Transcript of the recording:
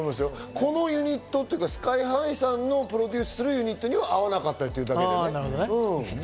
このユニット、ＳＫＹ−ＨＩさんがプロデュースするユニットには合わなかっただけ。